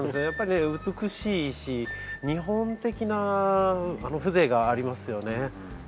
やっぱりね美しいし日本的な風情がありますよね。